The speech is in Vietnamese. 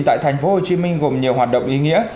tại tp hcm gồm nhiều hoạt động ý nghĩa